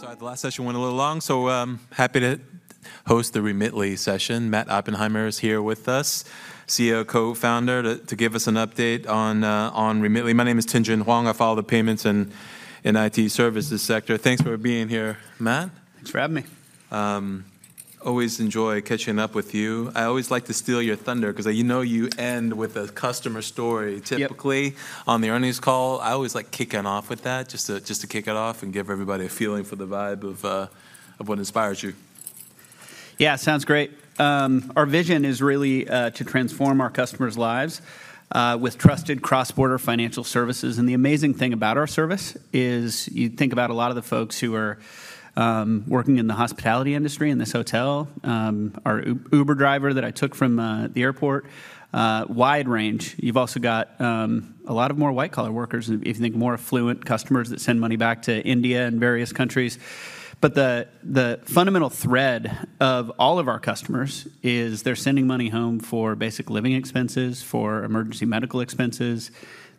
Sorry, the last session went a little long, so happy to host the Remitly session. Matt Oppenheimer is here with us, CEO, co-founder, to give us an update on Remitly. My name is Tien-Tsin Huang. I follow the payments and IT services sector. Thanks for being here, Matt. Thanks for having me. Always enjoy catching up with you. I always like to steal your thunder, 'cause I know you end with a customer story- Yep Typically on the earnings call. I always like kicking off with that, just to, just to kick it off and give everybody a feeling for the vibe of what inspires you. Yeah, sounds great. Our vision is really to transform our customers' lives with trusted cross-border financial services. And the amazing thing about our service is you think about a lot of the folks who are working in the hospitality industry, in this hotel, our Uber driver that I took from the airport, wide range. You've also got a lot of more white-collar workers and, if you think, more affluent customers that send money back to India and various countries. But the fundamental thread of all of our customers is they're sending money home for basic living expenses, for emergency medical expenses.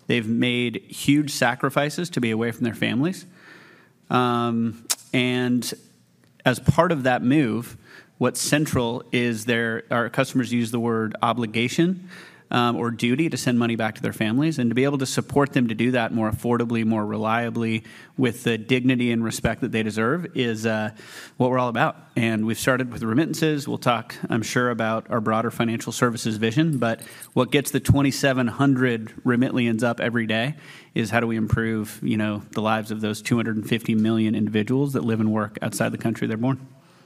They've made huge sacrifices to be away from their families. And as part of that move, what's central is their... Our customers use the word obligation, or duty to send money back to their families, and to be able to support them to do that more affordably, more reliably, with the dignity and respect that they deserve, is what we're all about. We've started with remittances. We'll talk, I'm sure, about our broader financial services vision, but what gets the 2,700 Remitlyans up every day is how do we improve, you know, the lives of those 250 million individuals that live and work outside the country they're born?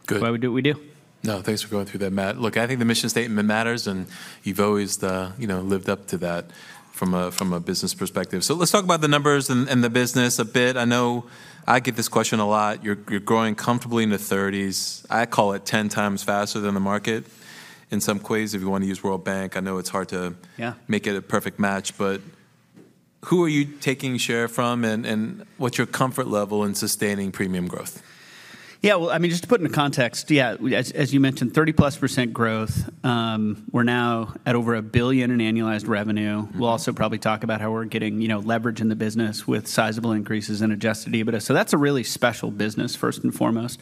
Good. That's why we do what we do. No, thanks for going through that, Matt. Look, I think the mission statement matters, and you've always, you know, lived up to that from a business perspective. So let's talk about the numbers and the business a bit. I know I get this question a lot. You're growing comfortably in the 30s. I call it 10x faster than the market in some ways, if you wanna use World Bank. I know it's hard to- Yeah... make it a perfect match. But who are you taking share from, and, and what's your comfort level in sustaining premium growth? Yeah, well, I mean, just to put it in context, yeah, as you mentioned, 30%+ growth. We're now at over $1 billion in annualized revenue. Mm-hmm. We'll also probably talk about how we're getting, you know, leverage in the business with sizable increases in Adjusted EBITDA. So that's a really special business, first and foremost.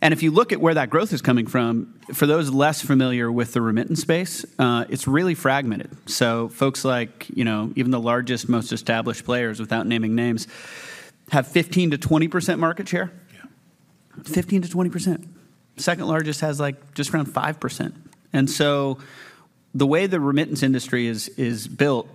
And if you look at where that growth is coming from, for those less familiar with the remittance space, it's really fragmented. So folks like, you know, even the largest, most established players, without naming names, have 15%-20% market share. Yeah. 15%-20%. Second largest has, like, just around 5%, and so the way the remittance industry is built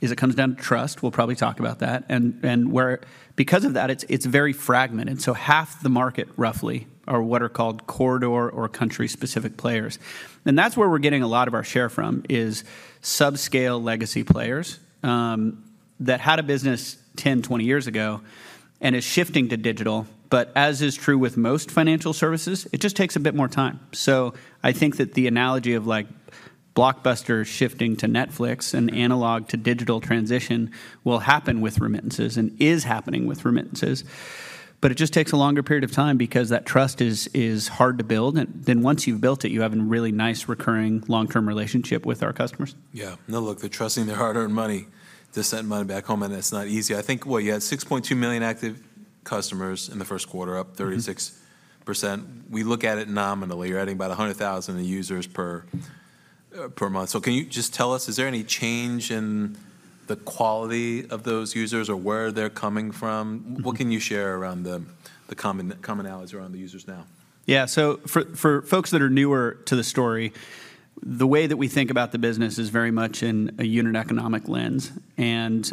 is it comes down to trust. We'll probably talk about that and, because of that, it's very fragmented. So half the market, roughly, are what are called corridor or country-specific players, and that's where we're getting a lot of our share from, is subscale legacy players that had a business 10, 20 years ago and is shifting to digital. But as is true with most financial services, it just takes a bit more time. So I think that the analogy of, like, Blockbuster shifting to Netflix and analog to digital transition will happen with remittances and is happening with remittances, but it just takes a longer period of time because that trust is hard to build. Once you've built it, you have a really nice, recurring long-term relationship with our customers. Yeah. No, look, they're trusting their hard-earned money to send money back home, and it's not easy. I think, what, you had 6.2 million active customers in the first quarter, up- Mm-hmm... 36%. We look at it nominally. You're adding about 100,000 users per month. So can you just tell us, is there any change in the quality of those users or where they're coming from? Mm-hmm. What can you share around the commonalities around the users now? Yeah, so for folks that are newer to the story, the way that we think about the business is very much in a unit economic lens. And,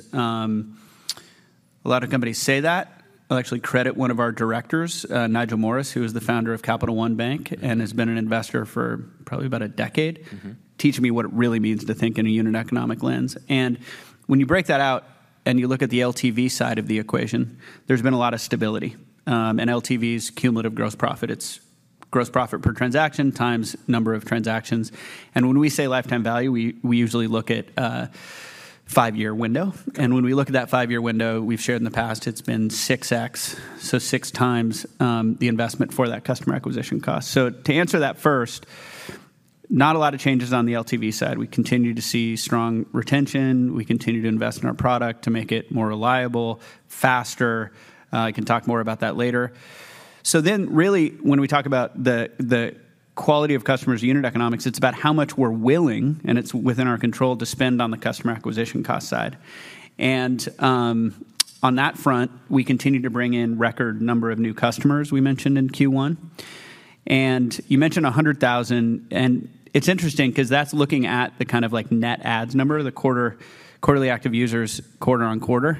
a lot of companies say that. I'll actually credit one of our directors, Nigel Morris, who is the founder of Capital One Bank and has been an investor for probably about a decade- Mm-hmm... teaching me what it really means to think in a unit economics lens. And when you break that out and you look at the LTV side of the equation, there's been a lot of stability, and LTV's cumulative gross profit, it's gross profit per transaction times number of transactions. And when we say lifetime value, we usually look at a five-year window. Okay. And when we look at that five-year window, we've shared in the past, it's been 6x, so 6x, the investment for that customer acquisition cost. So to answer that first, not a lot of changes on the LTV side. We continue to see strong retention. We continue to invest in our product to make it more reliable, faster. I can talk more about that later. So then, really, when we talk about the quality of customers, unit economics, it's about how much we're willing, and it's within our control, to spend on the customer acquisition cost side. And on that front, we continue to bring in record number of new customers, we mentioned in Q1. And you mentioned 100,000, and it's interesting because that's looking at the kind of like net adds number, the quarter, quarterly active users, quarter-on-quarter.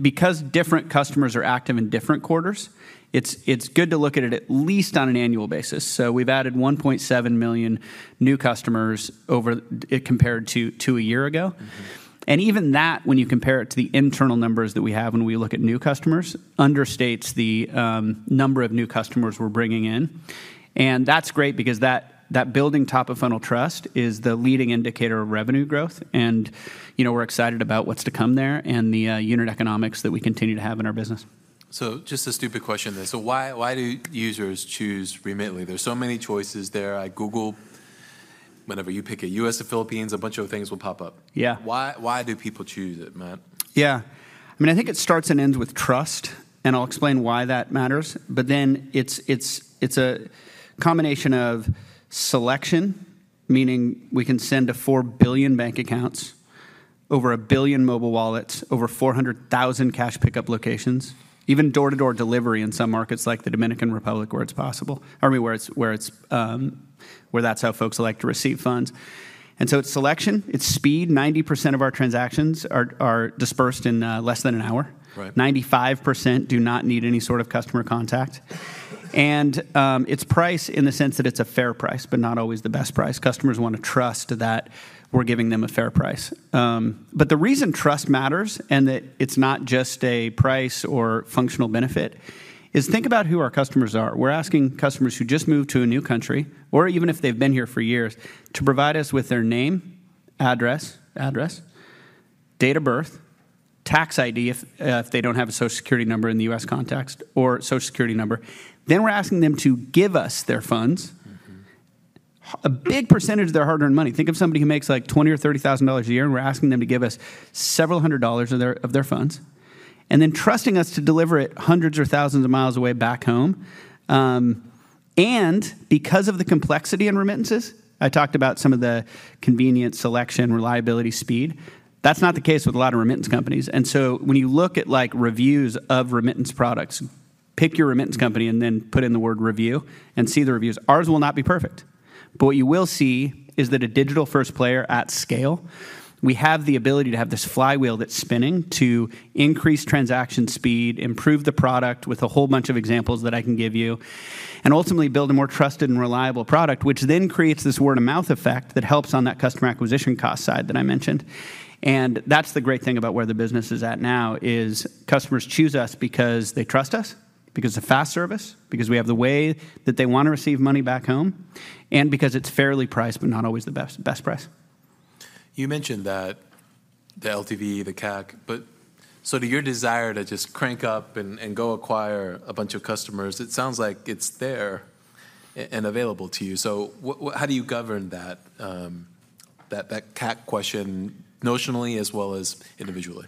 Because different customers are active in different quarters, it's good to look at it at least on an annual basis. So we've added 1.7 million new customers over, compared to a year ago. Mm-hmm. Even that, when you compare it to the internal numbers that we have when we look at new customers, understates the number of new customers we're bringing in. That's great because that building top-of-funnel trust is the leading indicator of revenue growth, and, you know, we're excited about what's to come there and the unit economics that we continue to have in our business. So just a stupid question then: so why, why do users choose Remitly? There's so many choices there. I Google whenever you pick a U.S. to Philippines, a bunch of things will pop up. Yeah. Why, why do people choose it, Matt? Yeah. I mean, I think it starts and ends with trust, and I'll explain why that matters. But then it's a combination of selection, meaning we can send to 4 billion bank accounts, over 1 billion mobile wallets, over 400,000 cash pickup locations, even door-to-door delivery in some markets like the Dominican Republic, where it's possible, or I mean, where that's how folks like to receive funds. And so it's selection, it's speed. 90% of our transactions are dispersed in less than an hour. Right. 95% do not need any sort of customer contact. It's price in the sense that it's a fair price, but not always the best price. Customers want to trust that we're giving them a fair price. But the reason trust matters and that it's not just a price or functional benefit is think about who our customers are. We're asking customers who just moved to a new country, or even if they've been here for years, to provide us with their name, address, address, date of birth, tax ID, if, if they don't have a Social Security number in the U.S. context, or Social Security number. Then we're asking them to give us their funds. Mm-hmm... a big percentage of their hard-earned money. Think of somebody who makes, like, $20,000 or $30,000 a year, and we're asking them to give us several hundred dollars of their funds, and then trusting us to deliver it hundreds or thousands of miles away back home. And because of the complexity in remittances, I talked about some of the convenience, selection, reliability, speed. That's not the case with a lot of remittance companies. And so when you look at like reviews of remittance products, pick your remittance company and then put in the word "review" and see the reviews. Ours will not be perfect, but what you will see is that a digital-first player at scale, we have the ability to have this flywheel that's spinning to increase transaction speed, improve the product with a whole bunch of examples that I can give you, and ultimately build a more trusted and reliable product, which then creates this word-of-mouth effect that helps on that customer acquisition cost side that I mentioned. And that's the great thing about where the business is at now, is customers choose us because they trust us, because it's a fast service, because we have the way that they want to receive money back home, and because it's fairly priced, but not always the best, best price. You mentioned that the LTV, the CAC, but so to your desire to just crank up and go acquire a bunch of customers, it sounds like it's there and available to you. So what... How do you govern that CAC question notionally as well as individually?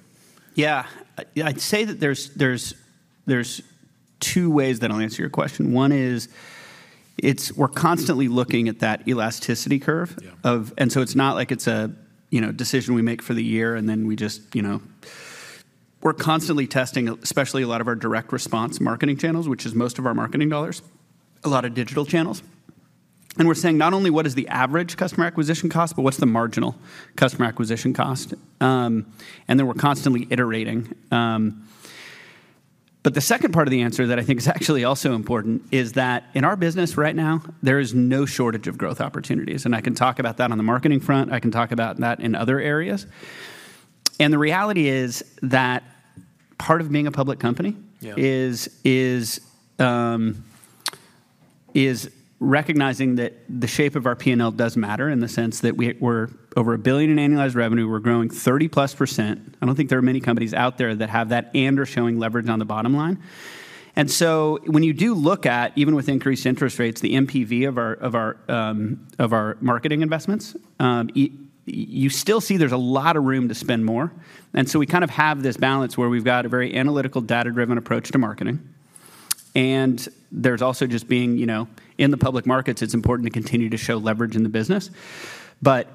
Yeah. I'd say that there's two ways that I'll answer your question. One is, it's we're constantly looking at that elasticity curve- Yeah ...of, and so it's not like it's a, you know, decision we make for the year, and then we just, you know. We're constantly testing, especially a lot of our direct response marketing channels, which is most of our marketing dollars, a lot of digital channels. And we're saying not only what is the average customer acquisition cost, but what's the marginal customer acquisition cost? And then we're constantly iterating. But the second part of the answer that I think is actually also important is that in our business right now, there is no shortage of growth opportunities, and I can talk about that on the marketing front. I can talk about that in other areas. And the reality is that part of being a public company- Yeah... is recognizing that the shape of our P&L does matter in the sense that we're over $1 billion in annualized revenue. We're growing 30+%. I don't think there are many companies out there that have that and are showing leverage on the bottom line. And so when you do look at even with increased interest rates, the NPV of our marketing investments, you still see there's a lot of room to spend more. And so we kind of have this balance where we've got a very analytical, data-driven approach to marketing. And there's also just being, you know, in the public markets, it's important to continue to show leverage in the business. But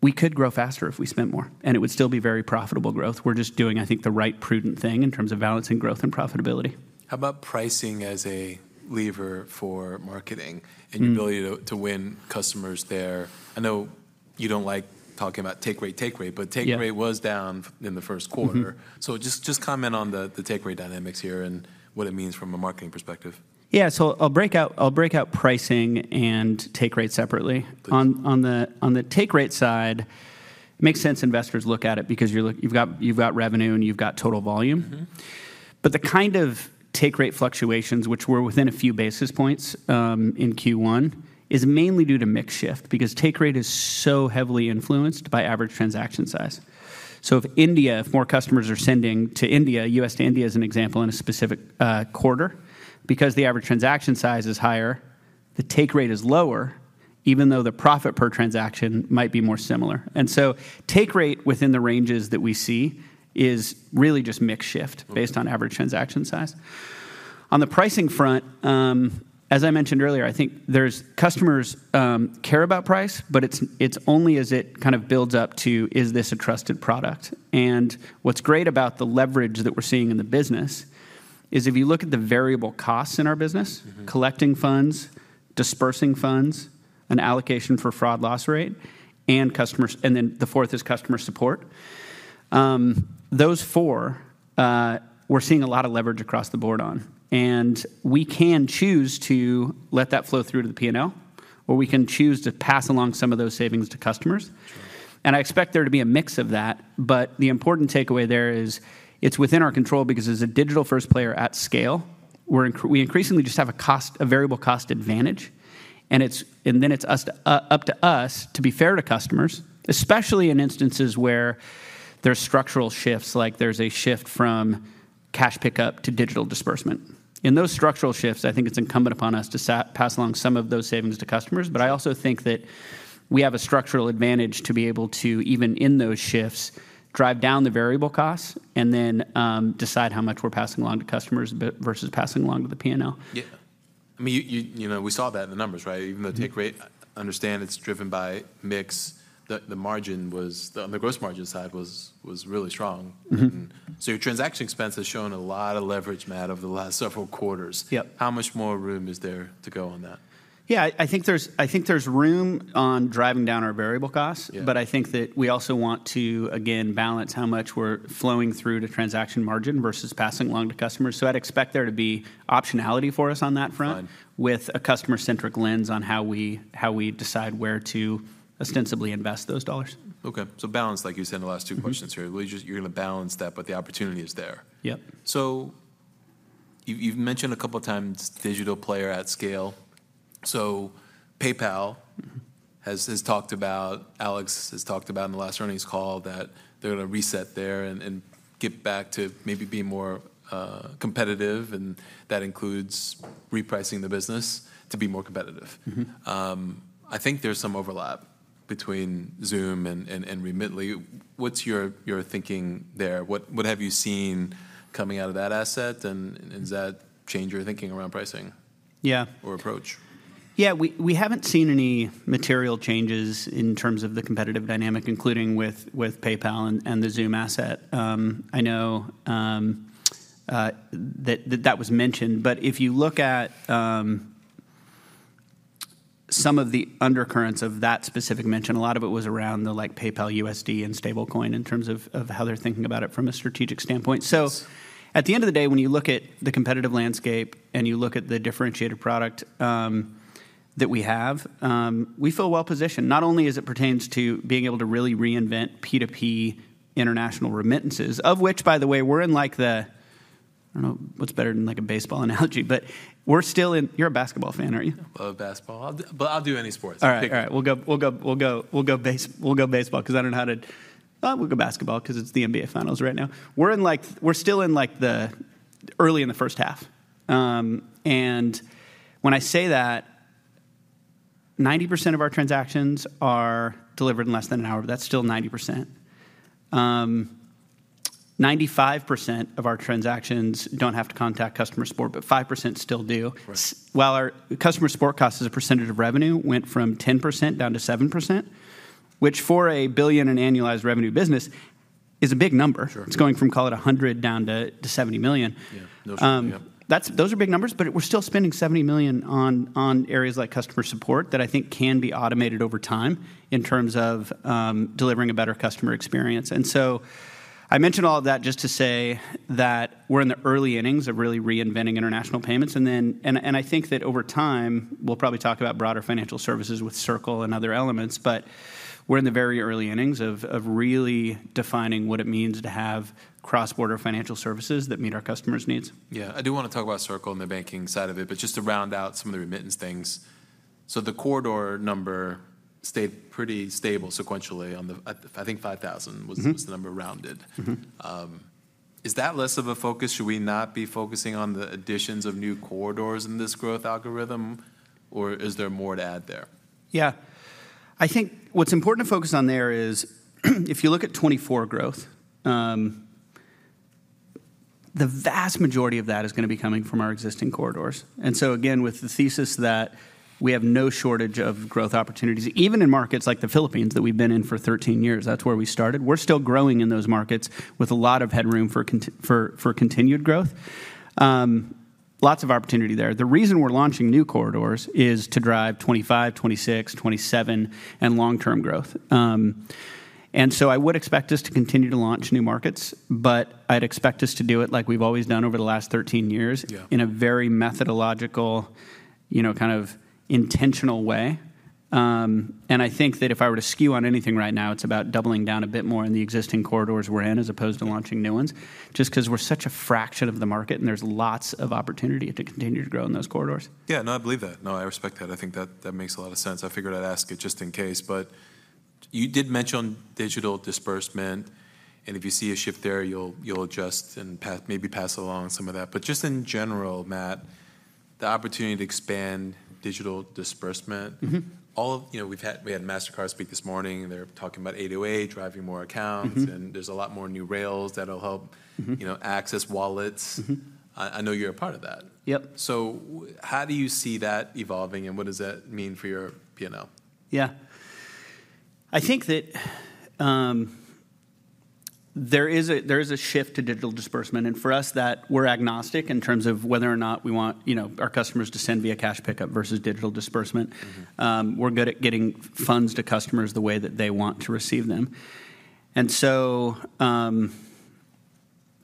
we could grow faster if we spent more, and it would still be very profitable growth. We're just doing, I think, the right prudent thing in terms of balancing growth and profitability. How about pricing as a lever for marketing? Mm-hmm... and your ability to win customers there? I know you don't like talking about take rate, but- Yeah... take rate was down in the first quarter. Mm-hmm. So just comment on the take rate dynamics here and what it means from a marketing perspective. Yeah. So I'll break out pricing and take rate separately. Thanks. On the take rate side, it makes sense investors look at it because you're looking. You've got, you've got revenue and you've got total volume. Mm-hmm. But the kind of take rate fluctuations, which were within a few basis points, in Q1, is mainly due to mix shift, because take rate is so heavily influenced by average transaction size. So if India, if more customers are sending to India, U.S. to India as an example, in a specific quarter, because the average transaction size is higher, the take rate is lower, even though the profit per transaction might be more similar. And so take rate within the ranges that we see is really just mix shift. Mm-hmm... based on average transaction size. On the pricing front, as I mentioned earlier, I think there's... Customers care about price, but it's, it's only as it kind of builds up to, is this a trusted product? And what's great about the leverage that we're seeing in the business is if you look at the variable costs in our business- Mm-hmm... collecting funds, disbursing funds, an allocation for fraud loss rate, and customer—and then the fourth is customer support, those four, we're seeing a lot of leverage across the board on. And we can choose to let that flow through to the P&L, or we can choose to pass along some of those savings to customers. Sure. I expect there to be a mix of that, but the important takeaway there is, it's within our control because as a digital-first player at scale, we're increasingly just have a cost, a variable cost advantage. And it's, and then it's up to us to be fair to customers, especially in instances where there's structural shifts, like there's a shift from cash pickup to digital disbursement. In those structural shifts, I think it's incumbent upon us to pass along some of those savings to customers. But I also think that we have a structural advantage to be able to, even in those shifts, drive down the variable costs and then decide how much we're passing along to customers versus passing along to the P&L. Yeah. I mean, you know, we saw that in the numbers, right? Mm-hmm. Even the take rate, understand it's driven by mix. The margin was, on the gross margin side, really strong. Mm-hmm. So your transaction expense has shown a lot of leverage, Matt, over the last several quarters. Yep. How much more room is there to go on that? Yeah, I think there's, I think there's room on driving down our variable costs- Yeah... but I think that we also want to, again, balance how much we're flowing through to transaction margin versus passing along to customers. So I'd expect there to be optionality for us on that front- Got it... with a customer-centric lens on how we decide where to ostensibly invest those dollars. Okay. So balance, like you said in the last two questions here. Mm-hmm. Well, you're just, you're going to balance that, but the opportunity is there. Yep. So you, you've mentioned a couple of times, digital player at scale. So PayPal- Mm-hmm ...has talked about. Alex has talked about in the last earnings call that they're going to reset there and get back to maybe being more competitive, and that includes repricing the business to be more competitive. Mm-hmm. I think there's some overlap between Xoom and Remitly. What's your thinking there? What have you seen coming out of that asset, and does that change your thinking around pricing? Yeah. Or approach? Yeah, we haven't seen any material changes in terms of the competitive dynamic, including with PayPal and the Xoom asset. I know that was mentioned, but if you look at some of the undercurrents of that specific mention, a lot of it was around the, like, PayPal USD and stablecoin in terms of how they're thinking about it from a strategic standpoint. Yes. So at the end of the day, when you look at the competitive landscape, and you look at the differentiated product, that we have, we feel well positioned. Not only as it pertains to being able to really reinvent P2P international remittances, of which, by the way, we're in like the... I don't know what's better than, like, a baseball analogy, but we're still in-- You're a basketball fan, aren't you? I love basketball, but I'll do any sports. All right. Pick one. All right, we'll go baseball, 'cause I don't know how to... We'll go basketball 'cause it's the NBA finals right now. We're in, like, still in, like, the early in the first half. And when I say that, 90% of our transactions are delivered in less than an hour, but that's still 90%. 95% of our transactions don't have to contact customer support, but 5% still do. Right. While our customer support cost as a percentage of revenue went from 10% down to 7%, which for a $1 billion in annualized revenue business is a big number. Sure. It's going from, call it $100 million down to $70 million. Yeah. No, sure. Yep. That's, those are big numbers, but we're still spending $70 million on areas like customer support that I think can be automated over time in terms of delivering a better customer experience. And so I mention all of that just to say that we're in the early innings of really reinventing international payments, and then I think that over time, we'll probably talk about broader financial services with Circle and other elements, but we're in the very early innings of really defining what it means to have cross-border financial services that meet our customers' needs. Yeah. I do want to talk about Circle and the banking side of it, but just to round out some of the remittance things. So the corridor number stayed pretty stable sequentially, I think 5,000- Mm-hmm... was the number rounded. Mm-hmm. Is that less of a focus? Should we not be focusing on the additions of new corridors in this growth algorithm, or is there more to add there? Yeah. I think what's important to focus on there is, if you look at 2024 growth, the vast majority of that is gonna be coming from our existing corridors. And so again, with the thesis that we have no shortage of growth opportunities, even in markets like the Philippines, that we've been in for 13 years, that's where we started. We're still growing in those markets with a lot of headroom for continued growth. Lots of opportunity there. The reason we're launching new corridors is to drive 2025, 2026, 2027, and long-term growth. And so I would expect us to continue to launch new markets, but I'd expect us to do it like we've always done over the last 13 years- Yeah... in a very methodical, you know, kind of intentional way. And I think that if I were to skew on anything right now, it's about doubling down a bit more in the existing corridors we're in, as opposed to launching new ones. Just 'cause we're such a fraction of the market, and there's lots of opportunity to continue to grow in those corridors. Yeah, no, I believe that. No, I respect that. I think that, that makes a lot of sense. I figured I'd ask it just in case. But you did mention digital disbursement, and if you see a shift there, you'll, you'll adjust and path, maybe pass along some of that. But just in general, Matt, the opportunity to expand digital disbursement- Mm-hmm... all of, you know, we've had Mastercard speak this morning, and they're talking about A to A, driving more accounts. Mm-hmm. And there's a lot more new rails that'll help- Mm-hmm... you know, access wallets. Mm-hmm. I know you're a part of that. Yep. How do you see that evolving, and what does that mean for your P&L? Yeah. I think that there is a shift to digital disbursement, and for us, that we're agnostic in terms of whether or not we want, you know, our customers to send via cash pickup versus digital disbursement. Mm-hmm. We're good at getting funds to customers the way that they want to receive them. And so,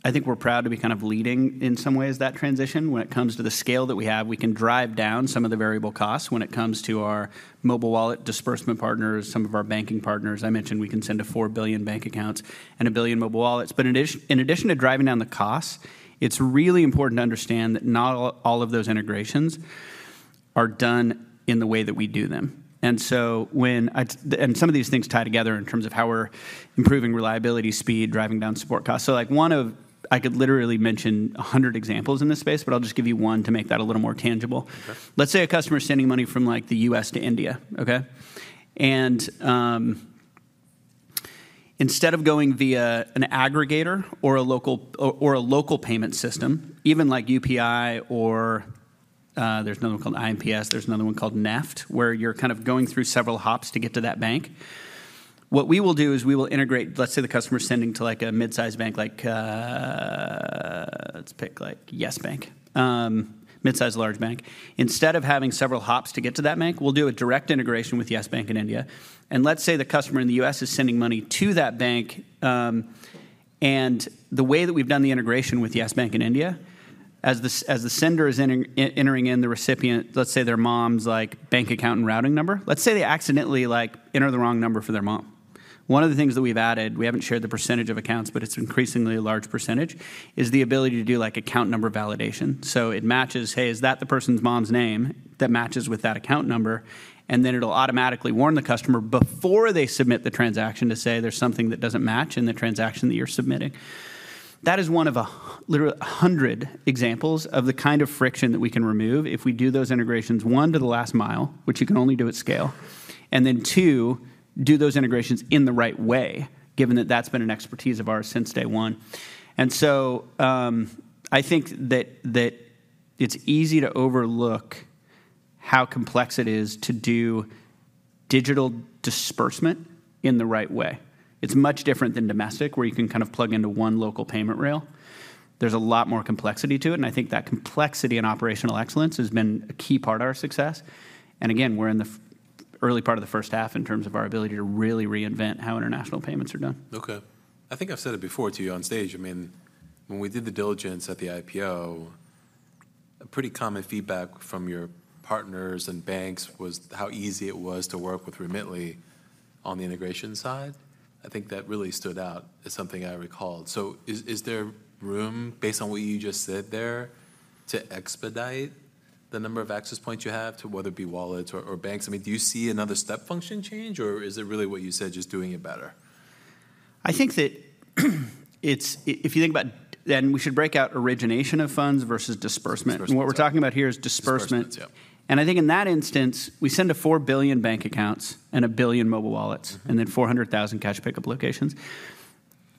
I think we're proud to be kind of leading, in some ways, that transition. When it comes to the scale that we have, we can drive down some of the variable costs. When it comes to our mobile wallet disbursement partners, some of our banking partners, I mentioned we can send to 4 billion bank accounts and 1 billion mobile wallets. But in addition to driving down the costs, it's really important to understand that not all of those integrations are done in the way that we do them. And so some of these things tie together in terms of how we're improving reliability, speed, driving down support costs. So like one of, I could literally mention 100 examples in this space, but I'll just give you one to make that a little more tangible. Sure. Let's say a customer is sending money from, like, the U.S. to India, okay? Instead of going via an aggregator or a local payment system, even like UPI or there's another one called IMPS, there's another one called NEFT, where you're kind of going through several hops to get to that bank. What we will do is we will integrate, let's say, the customer sending to, like, a mid-size bank, like, let's pick, like, Yes Bank, mid-size, large bank. Instead of having several hops to get to that bank, we'll do a direct integration with Yes Bank in India. And let's say the customer in the U.S. is sending money to that bank, and the way that we've done the integration with Yes Bank in India, as the sender is entering in the recipient, let's say their mom's, like, bank account and routing number. Let's say they accidentally, like, enter the wrong number for their mom. One of the things that we've added, we haven't shared the percentage of accounts, but it's an increasingly large percentage, is the ability to do, like, account number validation. So it matches, "Hey, is that the person's mom's name that matches with that account number?" And then it'll automatically warn the customer before they submit the transaction to say there's something that doesn't match in the transaction that you're submitting. That is one of literally 100 examples of the kind of friction that we can remove if we do those integrations, one, to the last mile, which you can only do at scale, and then, two, do those integrations in the right way, given that that's been an expertise of ours since day one. And so, I think that it's easy to overlook how complex it is to do digital disbursement in the right way. It's much different than domestic, where you can kind of plug into one local payment rail. There's a lot more complexity to it, and I think that complexity and operational excellence has been a key part of our success. And again, we're in the early part of the first half in terms of our ability to really reinvent how international payments are done. Okay. I think I've said it before to you on stage, I mean, when we did the diligence at the IPO, a pretty common feedback from your partners and banks was how easy it was to work with Remitly on the integration side. I think that really stood out as something I recalled. So is, is there room, based on what you just said there, to expedite the number of access points you have to whether it be wallets or, or banks? I mean, do you see another step function change, or is it really what you said, just doing it better? I think that it's, if you think about... Then we should break out origination of funds versus disbursement. Disbursement. What we're talking about here is disbursement. Disbursement, yeah. I think in that instance, we send to 4 billion bank accounts and 1 billion mobile wallets- Mm-hmm. and then 400,000 cash pickup locations.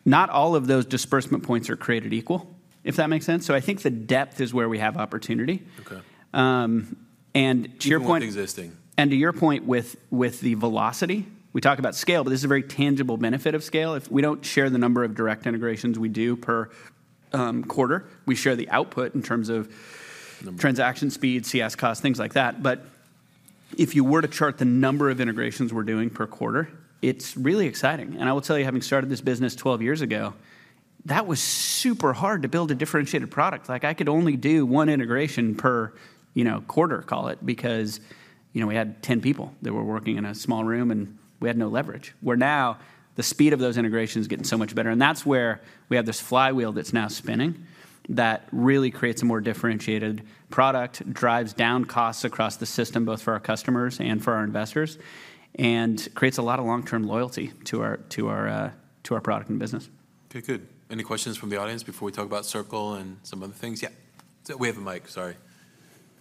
Not all of those disbursement points are created equal, if that makes sense. So I think the depth is where we have opportunity. Okay. and to your point- More existing. To your point with the velocity, we talk about scale, but this is a very tangible benefit of scale. If we don't share the number of direct integrations we do per quarter, we share the output in terms of- The- Transaction speed, CS cost, things like that. But if you were to chart the number of integrations we're doing per quarter, it's really exciting. And I will tell you, having started this business 12 years ago, that was super hard to build a differentiated product. Like, I could only do one integration per, you know, quarter, call it, because, you know, we had 10 people that were working in a small room, and we had no leverage. Where now, the speed of those integrations is getting so much better, and that's where we have this flywheel that's now spinning, that really creates a more differentiated product, drives down costs across the system, both for our customers and for our investors, and creates a lot of long-term loyalty to our, to our, to our product and business. Okay, good. Any questions from the audience before we talk about Circle and some other things? Yeah. So we have a mic, sorry,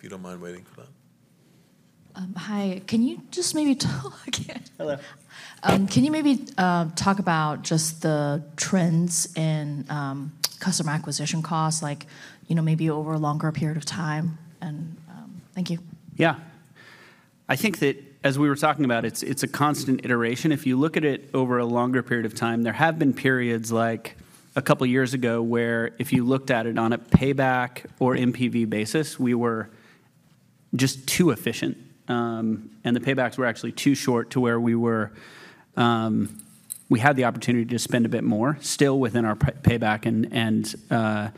if you don't mind waiting for that. Hi, can you just maybe talk again? Hello. Can you maybe talk about just the trends in customer acquisition costs, like, you know, maybe over a longer period of time, and... Thank you. Yeah. I think that, as we were talking about, it's a constant iteration. If you look at it over a longer period of time, there have been periods, like a couple of years ago, where if you looked at it on a payback or NPV basis, we were just too efficient. And the paybacks were actually too short to where we were. We had the opportunity to spend a bit more, still within our payback and LTV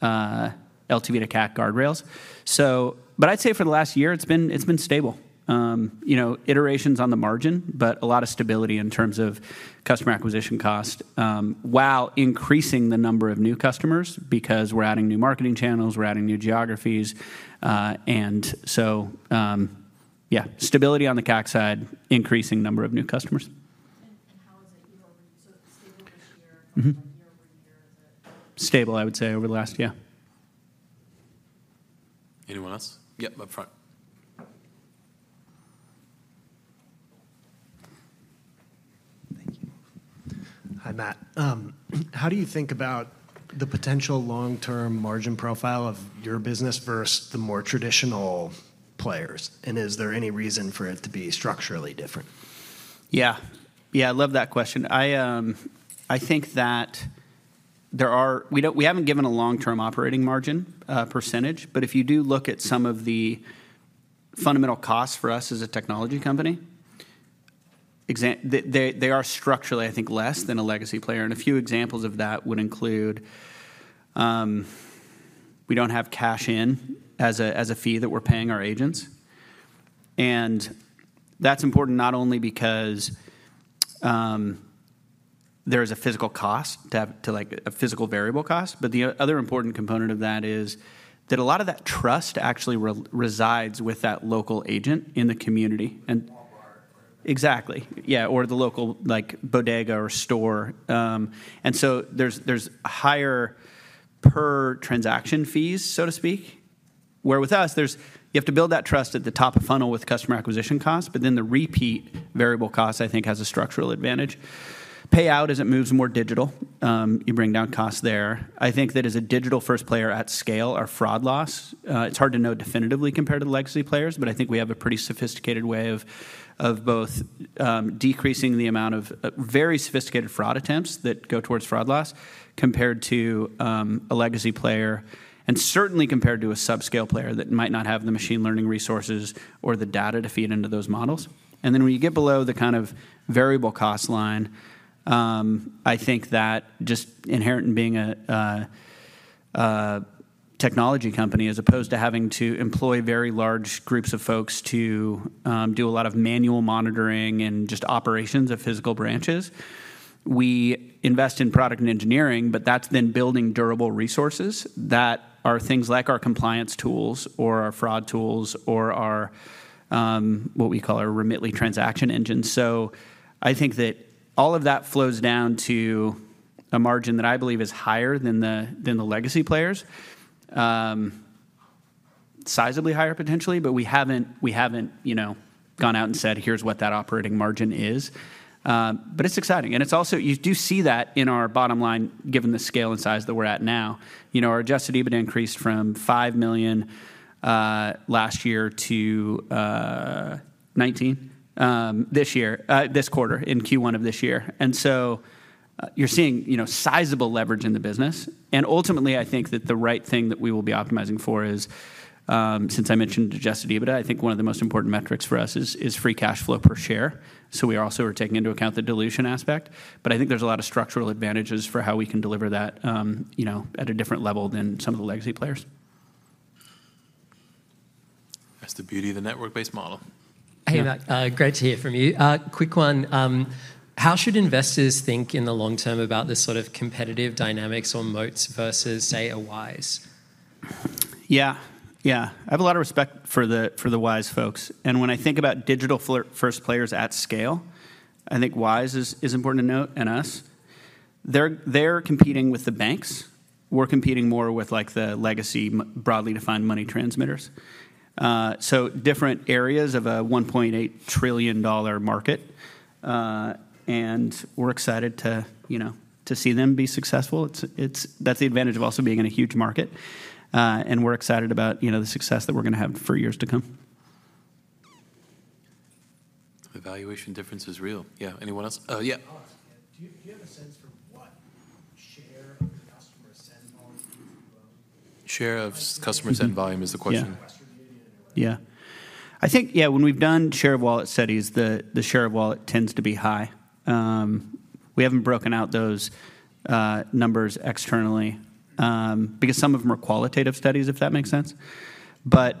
to CAC guardrails. So, but I'd say for the last year, it's been stable. You know, iterations on the margin, but a lot of stability in terms of customer acquisition cost, while increasing the number of new customers, because we're adding new marketing channels, we're adding new geographies, and so, yeah, stability on the CAC side, increasing number of new customers. How is it year-over-year so stable this year- Mm-hmm... year-over-year, is it? Stable, I would say, over the last, yeah. Anyone else? Yep, up front. Thank you. Hi, Matt. How do you think about the potential long-term margin profile of your business versus the more traditional players? And is there any reason for it to be structurally different? Yeah, yeah, I love that question. I think that there are... We don't, we haven't given a long-term operating margin percentage, but if you do look at some of the fundamental costs for us as a technology company, they are structurally, I think, less than a legacy player. And a few examples of that would include, we don't have cash in as a fee that we're paying our agents. And that's important not only because there is a physical cost to have, to, like, a physical variable cost. But the other important component of that is that a lot of that trust actually resides with that local agent in the community, and- Walmart, for example. Exactly, yeah, or the local, like, bodega or store. And so there's higher per transaction fees, so to speak, where with us, you have to build that trust at the top of funnel with customer acquisition costs, but then the repeat variable costs, I think, has a structural advantage. Payout as it moves more digital, you bring down costs there. I think that as a digital-first player at scale, our fraud loss, it's hard to know definitively compared to the legacy players, but I think we have a pretty sophisticated way of both decreasing the amount of very sophisticated fraud attempts that go towards fraud loss, compared to a legacy player, and certainly compared to a sub-scale player that might not have the machine learning resources or the data to feed into those models. And then when you get below the kind of variable cost line, I think that just inherent in being a technology company as opposed to having to employ very large groups of folks to do a lot of manual monitoring and just operations of physical branches, we invest in product and engineering, but that's then building durable resources that are things like our compliance tools or our fraud tools or our what we call our Remitly Transaction Engine. So I think that all of that flows down to a margin that I believe is higher than the legacy players. Sizably higher, potentially, but we haven't, we haven't, you know, gone out and said, "Here's what that operating margin is." But it's exciting, and it's also... You do see that in our bottom line, given the scale and size that we're at now. You know, our adjusted EBITDA increased from $5 million last year to $19 million this year this quarter, in Q1 of this year. And so, you're seeing, you know, sizable leverage in the business. And ultimately, I think that the right thing that we will be optimizing for is, since I mentioned adjusted EBITDA, I think one of the most important metrics for us is free cash flow per share, so we also are taking into account the dilution aspect. But I think there's a lot of structural advantages for how we can deliver that, you know, at a different level than some of the legacy players. That's the beauty of the network-based model. Yeah. Hey, Matt, great to hear from you. Quick one: how should investors think in the long term about the sort of competitive dynamics or moats versus, say, a Wise? Yeah, yeah. I have a lot of respect for the, for the Wise folks, and when I think about digital first players at scale, I think Wise is, is important to note, and us. They're, they're competing with the banks. We're competing more with, like, the legacy broadly defined money transmitters. So different areas of a $1.8 trillion market, and we're excited to, you know, to see them be successful. It's, it's that's the advantage of also being in a huge market, and we're excited about, you know, the success that we're gonna have for years to come. The valuation difference is real. Yeah. Anyone else? Yeah. I'll ask again. Do you, do you have a sense for what share of customer send volume do you- Share of customer send volume is the question. Yeah. Western Union or whatever? Yeah. I think, yeah, when we've done share of wallet studies, the share of wallet tends to be high. We haven't broken out those numbers externally, because some of them are qualitative studies, if that makes sense. But,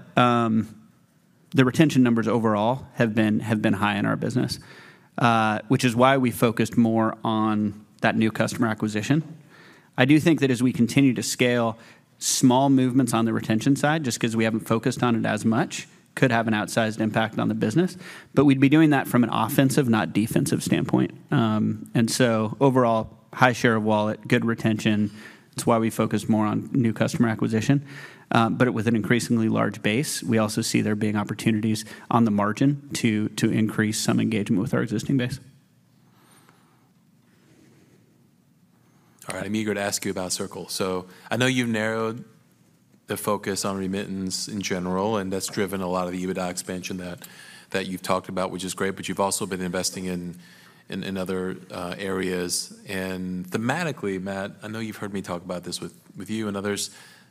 the retention numbers overall have been high in our business, which is why we focused more on that new customer acquisition. I do think that as we continue to scale, small movements on the retention side, just 'cause we haven't focused on it as much, could have an outsized impact on the business, but we'd be doing that from an offensive, not defensive standpoint. And so overall, high share of wallet, good retention, that's why we focus more on new customer acquisition. With an increasingly large base, we also see there being opportunities on the margin to increase some engagement with our existing base. All right, I'm eager to ask you about Circle. So I know you've narrowed the focus on remittance in general, and that's driven a lot of the EBITDA expansion that you've talked about, which is great, but you've also been investing in other areas. And thematically, Matt, I know you've heard me talk about this with you and others,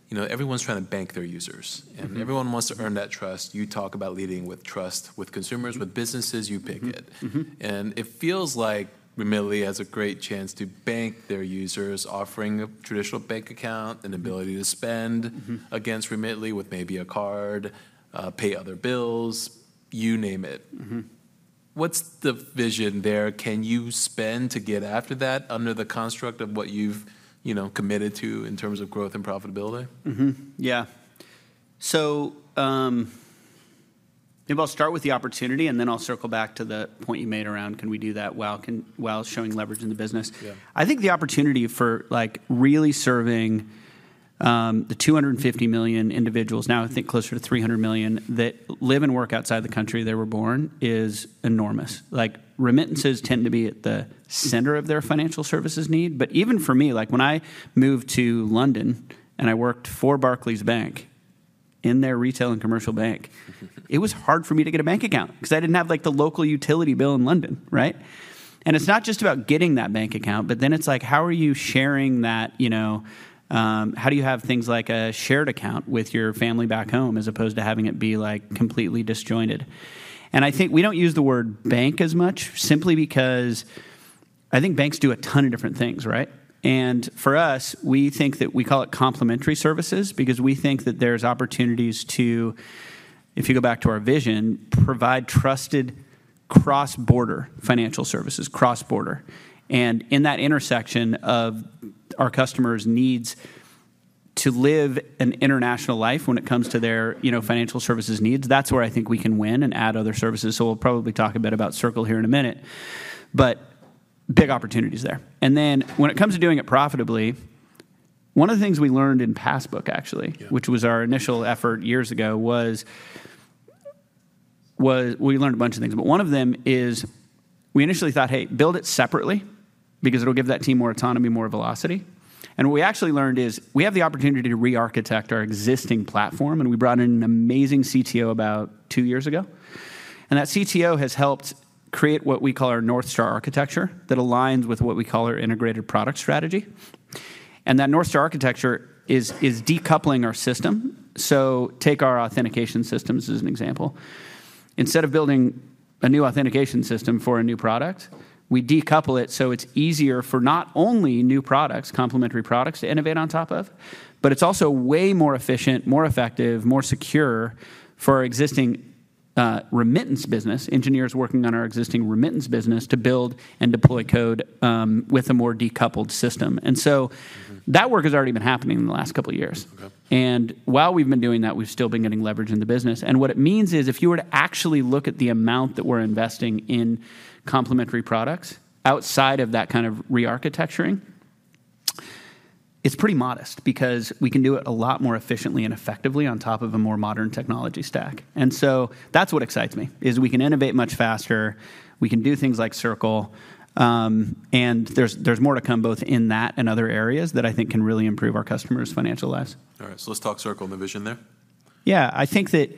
you know, everyone's trying to bank their users- Mm-hmm... and everyone wants to earn that trust. You talk about leading with trust with consumers- Mm-hmm... with businesses, you pick it. Mm-hmm. Mm-hmm. It feels like Remitly has a great chance to bank their users, offering a traditional bank account. Mm-hmm... an ability to spend- Mm-hmm... against Remitly with maybe a card, pay other bills, you name it. Mm-hmm. What's the vision there? Can you spend to get after that under the construct of what you've, you know, committed to in terms of growth and profitability? Mm-hmm. Yeah. So, maybe I'll start with the opportunity, and then I'll circle back to the point you made around: Can we do that while showing leverage in the business? Yeah. I think the opportunity for, like, really serving the 250 million individuals, now I think closer to 300 million, that live and work outside the country they were born, is enormous. Like, remittances tend to be at the center of their financial services need. But even for me, like, when I moved to London and I worked for Barclays Bank, in their retail and commercial bank, it was hard for me to get a bank account because I didn't have, like, the local utility bill in London, right? And it's not just about getting that bank account, but then it's like, how are you sharing that, you know? How do you have things like a shared account with your family back home, as opposed to having it be, like, completely disjointed? And I think we don't use the word bank as much, simply because I think banks do a ton of different things, right? And for us, we think that we call it complementary services because we think that there's opportunities to, if you go back to our vision, provide trusted cross-border financial services, cross-border. And in that intersection of our customers' needs to live an international life when it comes to their, you know, financial services needs, that's where I think we can win and add other services. So we'll probably talk a bit about Circle here in a minute, but big opportunities there. And then when it comes to doing it profitably, one of the things we learned in Passbook, actually- Yeah which was our initial effort years ago. We learned a bunch of things, but one of them is we initially thought, "Hey, build it separately, because it'll give that team more autonomy, more velocity." And what we actually learned is, we have the opportunity to re-architect our existing platform, and we brought in an amazing CTO about two years ago, and that CTO has helped create what we call our North Star architecture, that aligns with what we call our integrated product strategy. And that North Star architecture is decoupling our system. So take our authentication systems as an example. Instead of building a new authentication system for a new product, we decouple it so it's easier for not only new products, complementary products, to innovate on top of, but it's also way more efficient, more effective, more secure for our existing remittance business, engineers working on our existing remittance business, to build and deploy code with a more decoupled system. And so- Mm-hmm ... that work has already been happening in the last couple of years. Okay. While we've been doing that, we've still been getting leverage in the business. What it means is, if you were to actually look at the amount that we're investing in complementary products, outside of that kind of re-architecturing, it's pretty modest, because we can do it a lot more efficiently and effectively on top of a more modern technology stack. So that's what excites me, is we can innovate much faster, we can do things like Circle, and there's more to come, both in that and other areas, that I think can really improve our customers' financial lives. All right, so let's talk Circle and the vision there. Yeah, I think that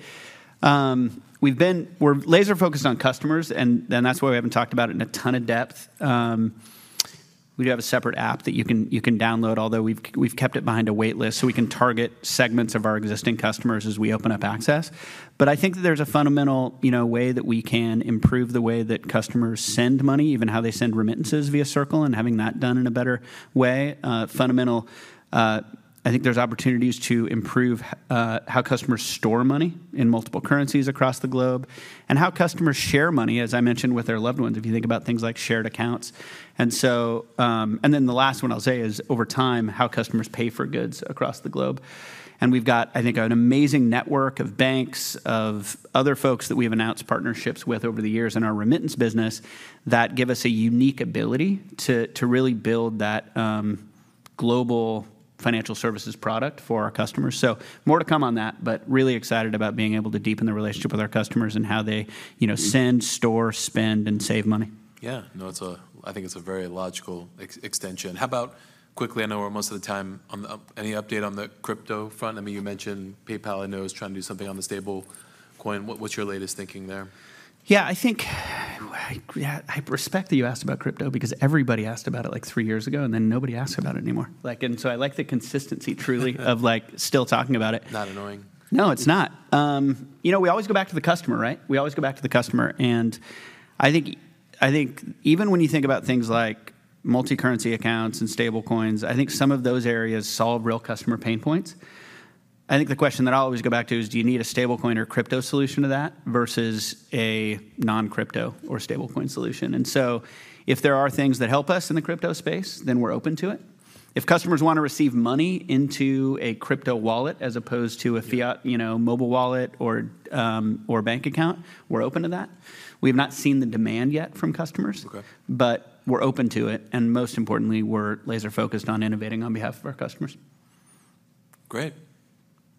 we're laser-focused on customers, and that's why we haven't talked about it in a ton of depth. We do have a separate app that you can download, although we've kept it behind a wait list, so we can target segments of our existing customers as we open up access. But I think that there's a fundamental, you know, way that we can improve the way that customers send money, even how they send remittances via Circle, and having that done in a better way. I think there's opportunities to improve how customers store money in multiple currencies across the globe, and how customers share money, as I mentioned, with their loved ones, if you think about things like shared accounts. And so, and then the last one I'll say is, over time, how customers pay for goods across the globe. And we've got, I think, an amazing network of banks, of other folks that we have announced partnerships with over the years in our remittance business, that give us a unique ability to, to really build that, global financial services product for our customers. So more to come on that, but really excited about being able to deepen the relationship with our customers and how they, you know- Mm-hmm... send, store, spend, and save money. Yeah. No, I think it's a very logical extension. How about, quickly, I know we're most of the time on the up, any update on the crypto front? I mean, you mentioned PayPal, I know, is trying to do something on the stablecoin. What's your latest thinking there? Yeah, I think, yeah, I respect that you asked about crypto, because everybody asked about it, like, three years ago, and then nobody asks about it anymore. Like, and so I like the consistency, truly, of like still talking about it. Not annoying. No, it's not. You know, we always go back to the customer, right? We always go back to the customer. And I think, I think even when you think about things like multicurrency accounts and stable coins, I think some of those areas solve real customer pain points. I think the question that I'll always go back to is, do you need a stable coin or crypto solution to that, versus a non-crypto or stable coin solution? And so if there are things that help us in the crypto space, then we're open to it. If customers want to receive money into a crypto wallet as opposed to a- Yeah... fiat, you know, mobile wallet or, or bank account, we're open to that. We have not seen the demand yet from customers- Okay... but we're open to it, and most importantly, we're laser-focused on innovating on behalf of our customers. Great.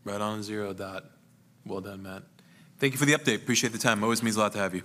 Right on the zero dot. Well done, Matt. Thank you for the update. Appreciate the time. Always means a lot to have you.